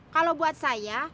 kalau buat saya